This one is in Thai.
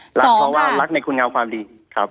รักเพราะว่ารักในคุณงามความดีครับ